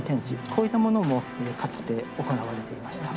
こういったものもかつて行われていました。